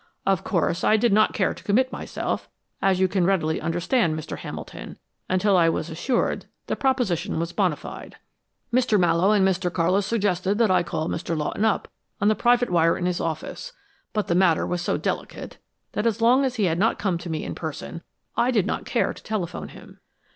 Of course I did not care to commit myself, as you can readily understand, Mr. Hamilton, until I was assured the proposition was bona fide. "Mr. Mallowe and Mr. Carlis suggested that I call Mr. Lawton up on the private wire in his office, but the matter was so delicate that as long as he had not come to me in person I did not care to telephone him.